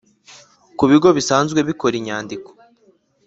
Ku bigo bisanzwe bikora inyandiko